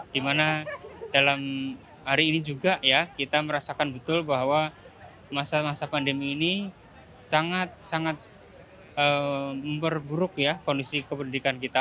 dimana dalam hari ini juga ya kita merasakan betul bahwa masa masa pandemi ini sangat sangat memperburuk ya kondisi kependidikan kita